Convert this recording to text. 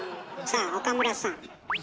さあ岡村さん。